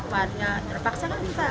ya terpaksa kan kita